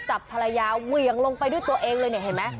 จับภรรยาเหวี่ยงลงไปด้วยตัวเองเลยเนี่ยเห็นไหม